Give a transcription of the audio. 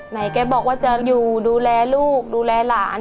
แกบอกว่าจะอยู่ดูแลลูกดูแลหลาน